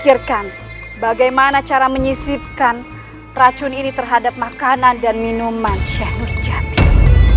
kupikirkan bagaimana cara menyisipkan racun ini terhadap makanan dan minuman syahnur jatim